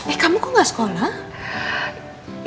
eh kamu kok gak sekolah